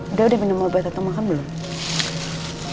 udah udah minum obat atau makan belum